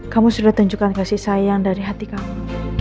kamu sudah tunjukkan kasih sayang dari hati kamu